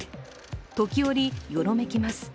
時折よろめきます。